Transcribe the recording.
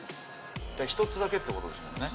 １つだけってことですもんね。